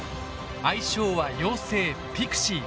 愛称は妖精「ピクシー」。